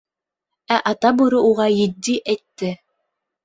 Ә Ата Бүре уға етди әйтте: